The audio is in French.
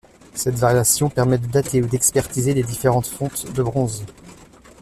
Cette variation permet de dater ou d'expertiser les différentes fontes de bronzes.